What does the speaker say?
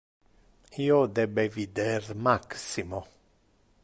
Io debe vider Maximo.